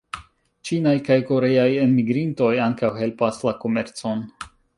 Ĉinaj kaj koreaj enmigrintoj ankaŭ helpas la komercon.